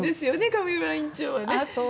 上村院長はね。